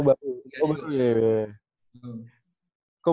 ini berarti udah berapa bulan kok